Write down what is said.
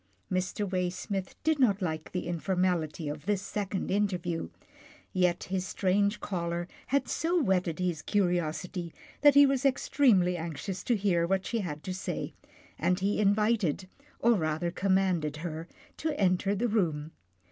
Mr. Waysmith did not like the informality of this second interview, yet his strange caller had so whetted his curiosity that he was extremely anx ious to hear what she had to say, and he invited, or rather commanded, her to enter the room.